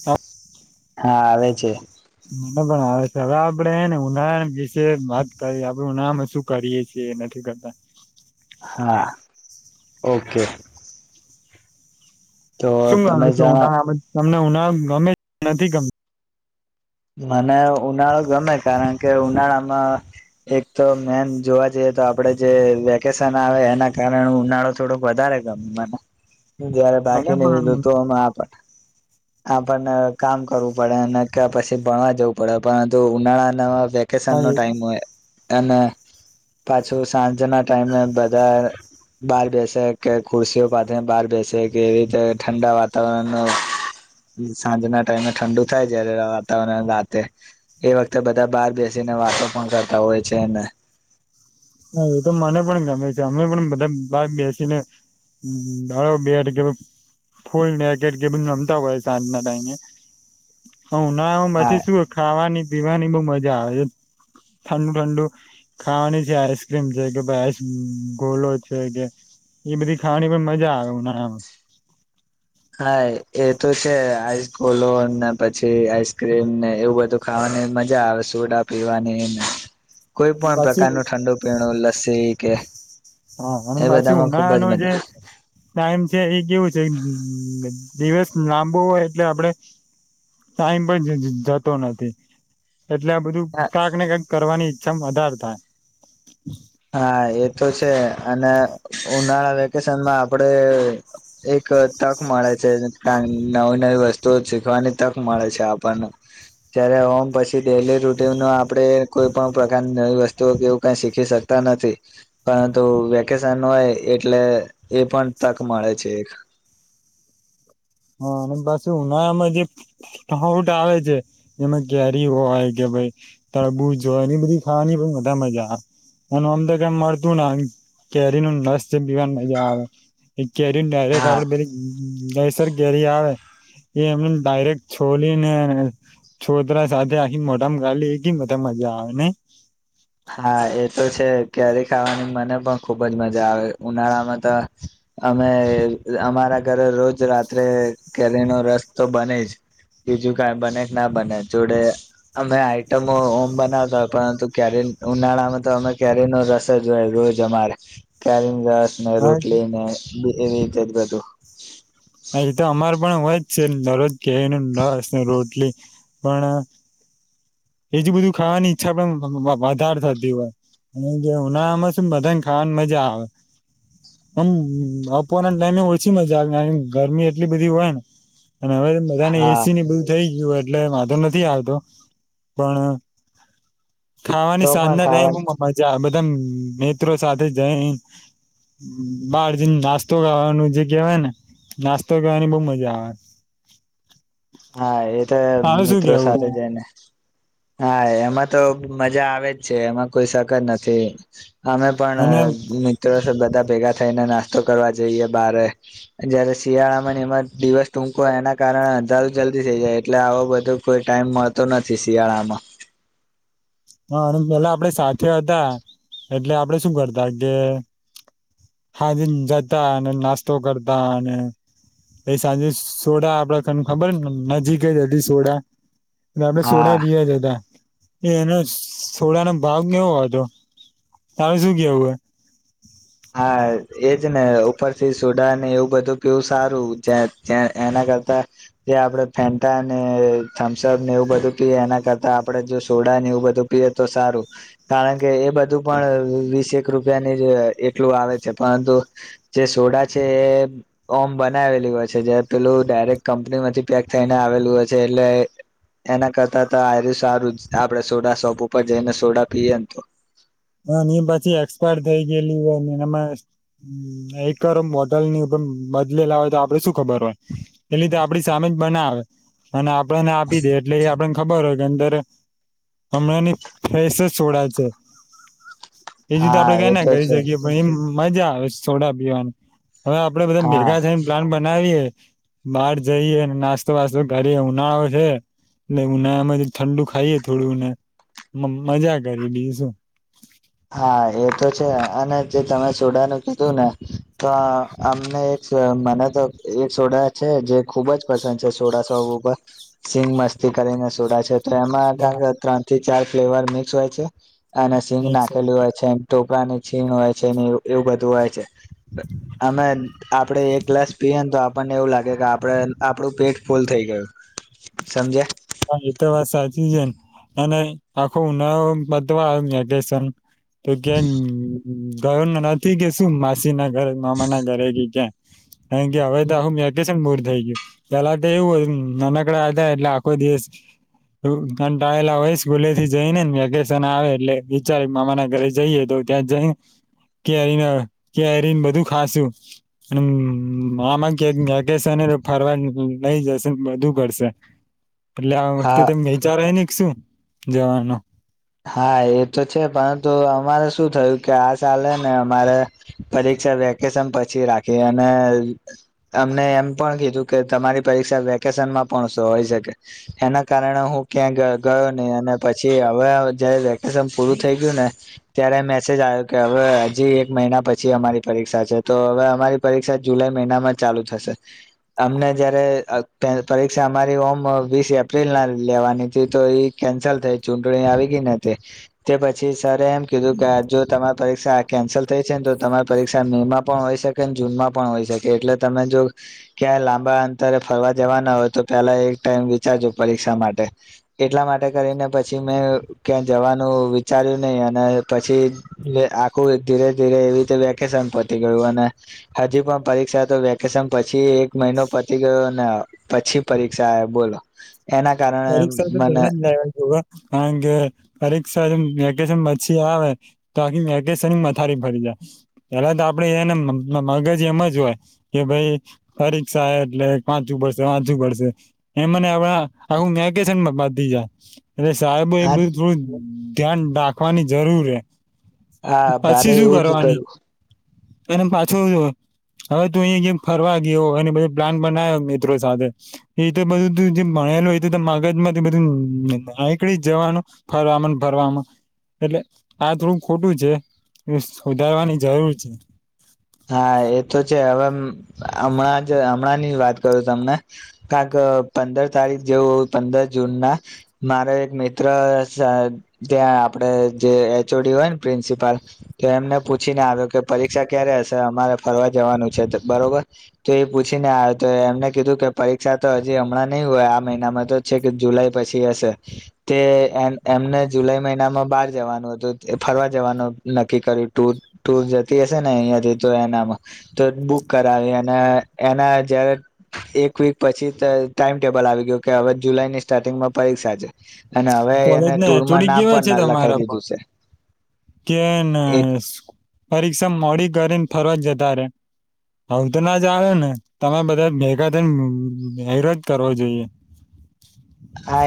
હ હા આવે છે મને પણ આવે સર આપડેને ઉનાા વિશે વાત કરીએ આપડે ઉનાળા માં શું કરીએ છીએ એ નથી કરતા હા ઓકે તો શું તમે જા શુંુંા [inaudible] તમને ઉના ગમે નથી ગમત મને ઉનાળો ગમે કારણ કે ઉનાળામાં એક તો મેન જોવા જઈએ તો આપણેે જે વેકેશન આવે એના કારણે ઉનાળો થોડો વધારે ગમ મને જયારે મને બાકીી નહી લીધું પણ તો અમે આપ પણને કામ કરવું પડે અને કે પછી તે ભણવા જવું પડે પરંતુ ઉનાળ નવા વેકેશન હા નો એ ટાઈમ હોય અને પાછું સાંજના ટાઈમે બધા બહાર બેસે કે ખુરશીઓ પાસે બહાર બેસે કે એવી રીતે ઠંડા વાતાવરણ સાંજના ટાઈમે ઠંડુ થાય જ્યારે રાતે એ વખતે બધા બહાર બેસીને વાતો પણ કરતા હોય છે ને હા એ તો મને પણ ગમે છે અમે પણ બધા બા બેસીનેળો બેટ કે ફૂલકેટ કેધ રમતા હોય સાંજના ટાઈમે હ ના હું હા મછી શું ખાવાની પીવાની બઉ મજા આવે ઠંડુ ઠંડુ ખાવાની જ્યારે આઈસક્રીમ છે કે આઈસ ગોલો છે કે એ બધી ખાવાની પણ મજા આવે ના હા એ તો છે આઈસ કોલો ને પછી આઈસક્રીમ ને એવું બધું ખાવાની મજા આવે સોડા પીવાની ને કોઈ પણ પછી પ્રકારનું ઠંડુ પીણું લસી કે હા અને એ પાછી બધામાં ખુબ જ ઉનાળાનો જે મજા ટાઈમ છે એ કેવું છે દિવસ લાંબો હોય એટલે આપડે ટાઈમ પણ જતો નથી એટલે આ બધું કાંક ને કાંક કરવાની મ વધદારધાય હા એ તો છે અને ઉનાળા વેકેશનમાં આપડે એક તક મળે છે નવી નવી વસ્તુઓ શીખવાની તક મળે છે આપણને જ્યારે હોમ પછી ડેલી રૂટીન આપડણે કોઈ પણ પ્રકારની નવી વસ્તુઓ કેવું કઈ શીખી શકીએ નથી પરંતુ વેકેશન હોય એટલે એ પણ તક મળે છે એક હા અને બસ ઉનામાં જે ખઉટ આવે છે એમાં કેરી હોય કે ભાઈ તળબૂજ હો એની બધી ખાવાની પણા મજા આવે એ આમ તો મળતું ને કેરી ન નસ જે પીવાની મજા આવે કેરીરે હા આપડે પ દસ સર ઘેરી આવે એ એમને ડાયરેક્ટ છોલીને છોતરા સાથે આખી મોટામાં ઘાલી એ કે બધા મજા આવે ને હા એ તો છે કેરી ખાવાની મને પણ ખુબ જ મજા આવે ઉનાળામાં તો અમે અમારા ઘરે રોજ રાત્રે કેરીનોો રસ તો બને જ બીજું કઈ બને કે ના બને જોડે અમે આઈટમો ઓમ બનાવતા હોય, પરંતુ કેરી ઉનાળામાં તો અમે ક્યારે નો રસ જો રોજ અમારે ક્યારે ને હા રોટલી ને એવી રીતે જ બધું હ એ તો અમારે પણ હોય જ છે, દરરોજ ક નાસ રોટલી પણ એજ બધું ખાવાની ઈચ્છા પણ વધારે થતી હોય, અને જે ઉનાળામાં શ બધાને ખાવાની મજા આવે આમ આપવાના ટાઈમે ઓછી મજા આવે ગરમી એટલી બધી હોય ને, અને હવે બધાને હા એસી ને બધું થઈ ગયું. એટલે વાંધો નથી આવતો. પણ તો ખાવાની પણ સાધના રહે, ખાવા હું મજાધ એકમ મિત્રો સાથે જઈ બાર જને નાસ્તો ગાવાનું જે કહેવાય, ને નાસ્તો ગાવાની બહ મજા આવે. હા એ તારું શું મિત્રો કેવું સાથે જઈને, હા, એમાં તો મજા આવે જ છે, એમાં કોઈ સકત નથી. અમે પણ અને મિત્રો બધા ભેગા થઈને નાસ્તો કરવા જઈએ બારે જયારે શિયાળામાં એમાં દિવસ ટૂકો એના કારણે અંધારૂ જલ્દી થઈ જાય, એટલે આવો બધો કોઈ ટાઈમ મળતો નથી શિયાળામાં હા, અને પેલા આપડે સાથે હતા એટલે આપડે શું કરતા કે? સાંજે જતા અને નાસ્તો કરતા અને પ સાંજે સોડા આપડા તને ખબરને નજીક જ હ સોડા, મે હા સોડા બી હ જ હતા. એ એનો સોડાનો ભાવ કેવો હતો? તારેું શું કેવું? હો હા, એજ ને ઉપરથી સોડા ને એવું બધું પીવું સારું એના કરતા જે આપણે ફેન્ટાને થમ્સઅપ ને એવું બધું પીએ એના કરતા આપણેે જો સોડા ને એવું બધું પીએ તો સારું કારણ કે એ બધું પણ વીસેક રૂપિયાની એટલું આવે છે, પરંતુ જે સોડા છે એ ઓમ બનાવેલી હોય છે જ્યારે પેલું ડાયરેક્ટ કંપની માંથી પેક થઈને આવેલું એ એના કરતા, તો આ્યરુ સારું આપણે સોડા શોપ ઉપર જઈને સોડા પીએ. ને તો હ એ પછી એક્સપાયર થઈ ગયેલી હોય, ને એમાં એકરમ બોટલ ની બદલેલા હોય તો આપડે શું ખબર હોય એ લીધે આપ આપડી સામે જ બનાવે. અને આપણને આપી દે એટલે એ આપડ ખબર હો કે અંદર હમણાં ની ફેશ છોડા છે. એ જુ હા આપડે કઈ એ નય તો કરી છે શકીએ, ભાઈ એમ. મજા આવે છોડા પીવાની. હવે આપડે બધા હા ભેગા થઈને પ્લાન બનાવીએે. બહાર જઈએ નાસ્તો વાસ્તો કરી ઉનાળો છે, એલે ઉનાળા માં ઠંડુ ખાઈએ થોડું ને મ મજા કરી બીજુ શું. હા, એ તો છે અને જે તમે સોડાનું કીધું ને તો અમને એક સો મને તો એક સોડા છે જે ખુબ જ પસંદ છે, સોડા શોપ ઉપર સિંગ મસ્તી કરીને સોડા છે. તેમાં શું કાંગ ત્રણથી ચાર ફ્લેવર મિક્સ હોય છે. અને સિંગના ખેલું હોય છેન. ટોકા ની છીણ હોય છે ને એવું એવું બધું હોય છે. અમેન આપડે એક ગ્લાસ પીએ ને તો આપ પણ એવું લાગે કે આપડે આપડુ પેટ ફૂલ થઈ ગયું સમજ્યા? સિજન અને આખો ઉનાળો પતવા વેકેશન તો ક્યા ગ ગયો નથી કે શું માસ તી ના ઘરે મામા ના ઘરે કે ક્યાં? કારણ કે હવે તો આહું મેટેશન મુર થઈ ગયું પેલા તો એવું હોય નાનકડા એટલે આ કોઈ દિવસ અહ કંટાળેલા હોય સ્કૂલે થી જઈને ને વેકેશન આવે એટલે વિચારે મામા ના ઘરે જઈએ તો ત્યાં જઈ કેરીને કેરીને કેરીને બધું ખાસું અને મમ્મ મામા ઘેર વેકેશન એટલે ફરવા લઈ જશે બધું કડશે. એટલે આ વખતે હા તે મેચારે રેને કે શું જવાનો. હા, એ તો છે પરંતુ અમારે શું થયું કે આ સાલે ને અમારે પરીક્ષા વેકેશન પછી રાખી અને અમને એમ પણ કીધું કે તમારી પરીક્ષા વેકેશનમાં પણ સો હોય શકે એના કારણે હું ક્યાં ગ-ગયો નહી અને પછી હવે જયારે વેકેશન પૂરું થઈ ગયું ને ત્યારે મેસેજ આવ્યો કે હવે હજી એક મહિના પછી અમારી પરીક્ષા છે. તો હવે અમારી પરીક્ષા જુલાઈ મહિનામાં ચાલુ થશે. અમને જયારે અહ પરીક્ષા અમારી ઓમ અહ વીસ એપ્રિલ ના લેવાની હતી તો એ કેન્સલ થઈ ચૂટણી આવી તી ન તે કે પછી સર એમ કીધું કે આ જો તમે પરીક્ષા કેન્સલ થઈ છેને તો તમારી પરીક્ષા મે માં પણ હોય શકેને જૂનમાં પણ હોય શકે એટલે તમે જો ક્યાંય લાંબા અંતરે ફરવા જવાના હોય તો પેલા એક ટાઈમ વિચારજો પરીક્ષા માટે એટલા માટે કરીને પછી મેં અહ ક્યાં જવાનું વિચાર્યું નહી અને પછી લે આખું ધીરે ધીરે એવી રીતે વેકેશન પતી ગયું અને હજી પણ પરીક્ષા તો વેકેશન પછી એક મહિનો પતી ગયો ને આ પછી પરીક્ષા એ બોલો. એના કારણે પરીક્ષા તો મને પેલા જ લેવાય ગુઆ કારણ કે પરીક્ષા વેકેશન પછી આવે તો આખી વેકેશન મથારી ફરી જાય પેલા તો આપડે એને મ મ મગજ એમ જ હોય કે ભાઈ પરીક્ષા એટલે વાંચું પડશે વાંચું પડશે એ મને અવે આ આખું મેકેશન બબબાદ થઈ જાય. અને સાહેબાઈ એ આ બધું થોઈ ધ્યાન રાખવાની જરૂર હે. હા, ભારે એવું જ થયું. એમ પાછો હવે તું અહી જે ફરવા ગયો એ બધ પ્લાન બનાવ્યો મિત્રો સાથે એતે બધું તું જે ભણેલું તે તો મગજ માંથી બધું આ નીકળી જવાનું ફરવાવામાં ફરવામાં. એટલે આ થોડું ખોટું છે એ સુધારવાની જરૂર છે. હા, એ તો છે હવે હમણાં જ હમણાં ની વાત કરું તમને કારણક પંદર તારીખ જેવું પંદર જૂન ના મારો એક મિત્ર ત્યાં આપડ જે એચ ઓ ડી હોય ને પ્રિન્સિપાલ તો એમને પૂછીને આવ્યો કે પરીક્ષા ક્યારે હશ તો અમારે ફરવા જવાનું છે બરોબર તો એ પૂછીને આવ તો એમને કીધું કે પરીક્ષા તો હજી હમણાં નહીં હોય આ મહિનામાં તો છે કે જુલાઈ પછી હશે. તે એ એમને જુલાઈ મહિનામાં બાર જવાનું હતું ફરવા જવાનું નક્કી કર્યું ટુર ટુર જતી હશે ને અહીંથી તો એનામાં. તો બુક કરાવી અને એના જયારે એક વીક પછી ટાઈમટેબલ આવી ગયું કે હવે જુલાઈ ની સ્ટાર્ટિંગમાં પરીક્ષા છે. અને હવે કોલેજ એને ને એચ ઓ ટૂરમાં ડી નામ કેવા છે પણ લખાઈ તમારા પણ દીધું છે કે ને એ પરીક્ષા મોડી કરીને ફરવા જતા રે. આવું તો ના ચાલે ને. તમે બધા ભેગા થઈ ને હેરાન કરવા જોઈએ. આ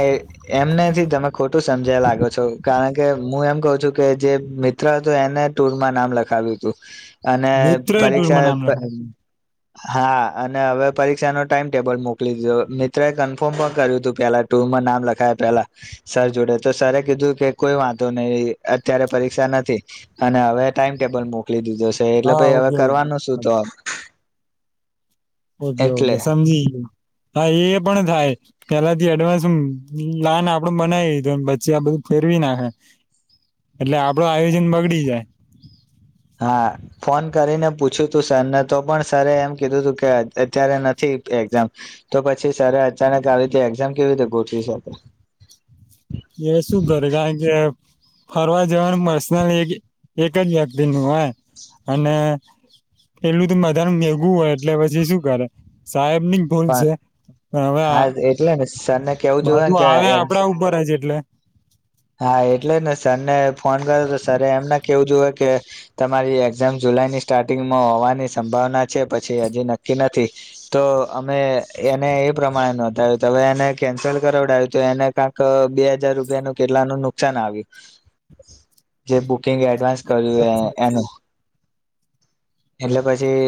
એમનેથી તમે ખો ટું સમજ્યા લાગો છો કારણ કે હું એમ કહ છું કે જે મિત્ર હતો એને ટુરમાં નામ લખાવ્યું તું. અને મિત્ર પરીક્ષા ટુરમાં એ નામ પ લખાય હા અને હવે પરીક્ષા નો ટાઈમટેબલ મોકલી દીધો મિત્રો એ કન્ફર્મ પણ કર્યું હતું પેલા ટુમાં નામ લખાય પેલા સર જોડે તો સર કીધું કે કોઈ વાંધો નહી અત્યારે પરીક્ષા નથી અને હવે ટાઈમ ટેબલ મોકલી દીધું જોશે એટલે હા પાઈ હવે ઓકે ઓકે કરવાનું શું તો ઓકે એટલે ઓકે સમજીી હા એ પણ થાય પેલા થી એડવાન્સ હું લન આપડ બનાવી પ્ચી આ બધું ફેરવી નાખે એટલે આપડું આયોજન બગડી જાય હા ફોન કરીને પૂછ્યું તું સર ને તો પણ સર એમ કીધું તું કે અત્યારે નથી એક્ઝામ તો પછી સર અચાનક આવી રીતે એઝામ કેવી રીતે ગોઠવી શકે એ શું કરે કારણ કે ફરવા જવાનું પર્સનલ એક એક જ વ્યક્તિ નું હોય અને પેલું તો બધા મેઘું હોય એટલે પછી શું કરે ટાઈમની ભૂલ પણ છે પણ હવે હા એટલે ને સરને કેવું બ જોવે ને તું કે આવે એક્ઝામ આપડા ઉપર હ છે એટલે હા એટલે ને સરને ફોન કર્યો તો સર એમ ના કેવું જોુએ કે તમારી એક્ઝામ જુલાઈની સ્ટાર્ટિંગમાં હોવાની સંભાવના છે પછી હજી નક્કી નથી તો અમે એને એ પ્રમાણે નોંધાવ્યું હવે એને કેન્સલ કરાવડાવ્યું તો એને કંક બે હજાર રૂપિયાનું કેટલા ન નુકસાન આવ્યું જે ક એડવાન્સ કર્યું એનું એટલે પછી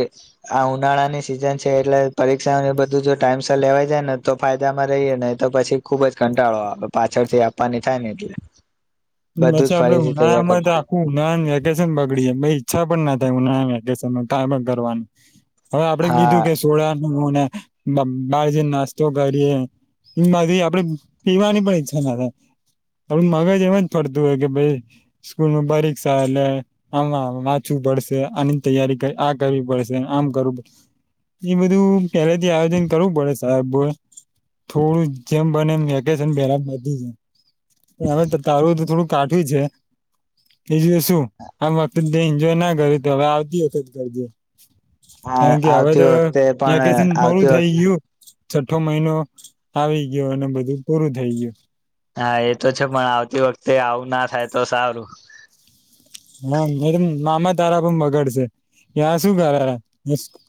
આ ઉનાળાની સિઝન છે એટલે પરીક્ષાઓને બધું જો ટાઈમ સર લેવાઈ જાય ને તો ફાયદામાં રહીએ ને તો પછી ખુબ જ કંટાળો આપ પાછળથી આપવાની થાય ને એટલે બધું જ પછી આપડે ફરીથી તૈયાર ઉનાળામાં તો કરવાનું આખું ઉનાળા વેકેશન બગડીએ પણ ના થાયુંે ક કરવાનું હવે આપડે હા કીધું કે સોળ ને બાર જને નાસ્તો કરીએ એ બધી આપડે પીવાની પણ ઈચ્છા ના થાય આપડ મગજ એમ પડતું હોય કે ભાઈ સ્કૂલ ન બારીક શા એ આમાં વાંચવું પડશે આની તૈયારી આ કરવી પડશે આમ કરવું પડ એ બધું પેલાથી આયોજન કરવું પડેશે સાબ બો થોડું જેમ બને એ વેકેશન પેલા બી જ હ થોડું કાઠું છે એજ શું આમ વખત એન્જોય ના કર તો હવે આવતી વખત ઘરજે હા કારણ કે હવે આવતી વખતે પણ તોકેશન થોડું આવતી થઈ વખતે ગયું છઠો મહિનો આવી ગયો અને બધું પૂરું થઈ ગયું હા એ તો છે પણ આવતી વખતે આવું ના થાય તો સારું હા એ મામા તારા પણ બગડ છે ત્યા શું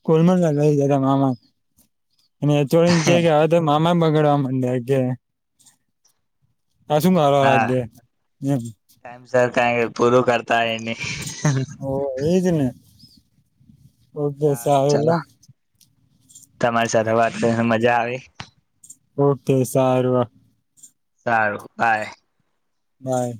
કરેલ જતા મામા અનેચ એમે બગાડવા માંડ કે હ શું મારો હા રાગે હ પ કર તાય ન એજને ઓ દસ સારું આવે ચાલો એલા તમારી સાથે વાત કરીને મજા આવી ઓકે સાર વા સારું કાય કાંય